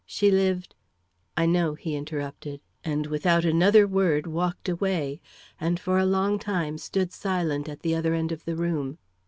"She lived " "I know," he interrupted; and without another word walked away, and for a long time stood silent at the other end of the room.